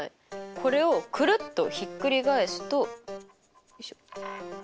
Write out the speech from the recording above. これをくるっとひっくり返すとよいしょ。